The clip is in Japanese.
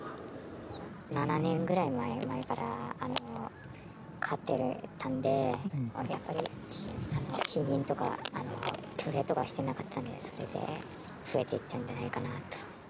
７年くらい前から飼ってたんで、やっぱり避妊とか、去勢とかしてなかったので、それで増えていったんじゃないか